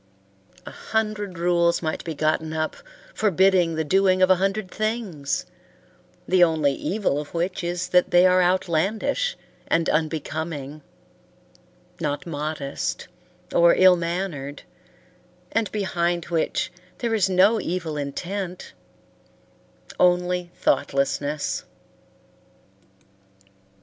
A hundred rules might be gotten up forbidding the doing of a hundred things, the only evil of which is that they are outlandish and unbecoming; not modest, or ill mannered, and behind which there is no evil intent only thoughtlessness.